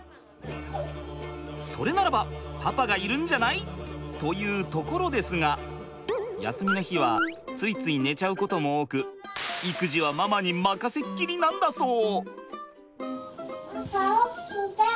それならばパパがいるんじゃない？というところですが休みの日はついつい寝ちゃうことも多く育児はママに任せっきりなんだそう。